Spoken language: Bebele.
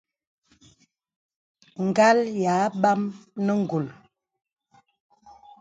Ngàl yā àbam nə ngùl.